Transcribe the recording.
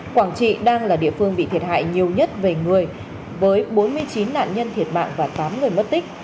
quảng trị đang là địa phương bị thiệt hại nhiều nhất về người với bốn mươi chín nạn nhân thiệt mạng và tám người mất tích